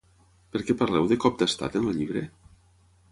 Per què parleu de ‘cop d’estat’ en el llibre?